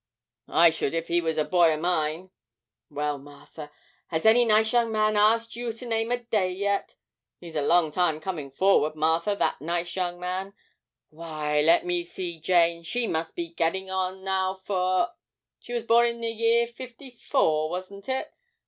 I should if he was a boy o' mine. Well, Martha, has any nice young man asked you to name a day yet? he's a long time coming forward, Martha, that nice young man; why, let me see, Jane, she must be getting on now for she was born in the year fifty four, was it?